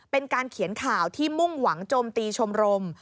เป็นการเขียนข่าวที่มุ่งหวังโจมตีชมรม